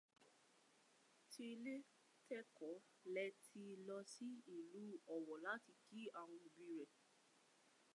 Tilé tẹkọ̀ létí lọ sí ìlú Ọ̀wọ̀ láti kí Àwọn òbí rẹ̀.